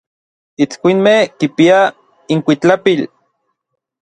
Itskuinmej kipiaj inkuitlapil.